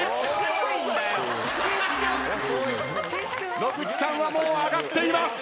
野口さんはもう上がっています。